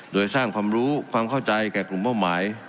โดยสร้างความรู้ความเข้าใจแก่กลุ่มเป้าหมาย